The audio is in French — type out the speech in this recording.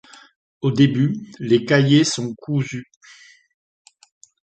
Au début, les cahiers sont cousus.